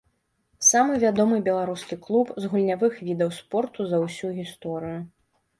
Самы вядомы беларускі клуб з гульнявых відаў спорту за ўсю гісторыю.